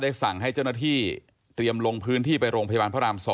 สั่งให้เจ้าหน้าที่เตรียมลงพื้นที่ไปโรงพยาบาลพระราม๒